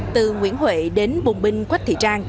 từ nguyễn huệ đến bùng binh quách thị trang